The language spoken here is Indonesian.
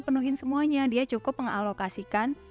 penuhin semuanya dia cukup mengalokasikan